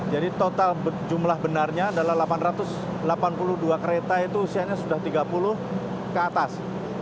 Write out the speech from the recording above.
jadi total jumlah benarnya adalah delapan ratus delapan puluh dua kereta itu usianya sudah tiga puluh ke atas